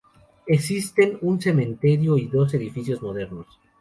Existen un cementerio y dos edificios modernos.